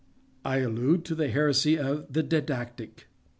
I allude to the heresy of _The Didactic.